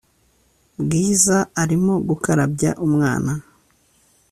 bwiza arimo gukarabya umwana